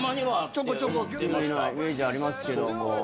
ちょこちょこっていうようなイメージありますけども。